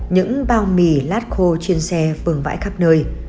những bao mì lát khô trên xe vườn vãi khắp nơi